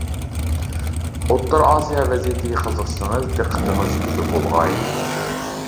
ئوتتۇرا ئاسىيا ۋەزىيىتىگە قىزىقسىڭىز، دىققىتىڭىز بىزدە بولغاي.